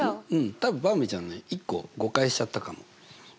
多分ばんびちゃんね１個誤解しちゃったかも。